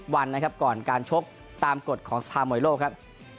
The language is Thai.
วันนะครับก่อนการชกตามกฎของสภามวยโลกครับ